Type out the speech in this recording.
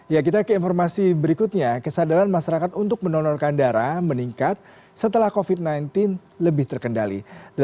ya kita ke informasi berikutnya kesadaran masyarakat untuk menonorkan darah meningkat setelah covid sembilan belas lebih terkendali